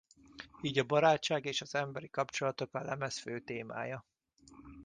Így a barátság és az emberi kapcsolatok a lemez fő témája.